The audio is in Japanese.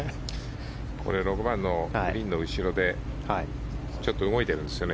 ６番のグリーンの後ろでちょっと動いてるんですよね